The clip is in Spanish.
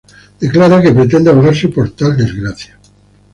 Declara que pretende ahogarse por tal desgracia.